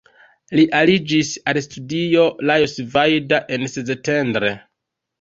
Li aliĝis al studio Lajos Vajda en Szentendre.